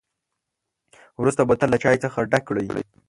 وروسته بوتل له چای څخه ډک کړئ.